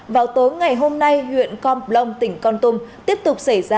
vào tối ngày hôm nay huyện con plong tỉnh con tung